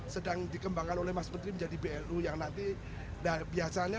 sedang dikembangkan oleh mas menteri menjadi blu yang nanti biasanya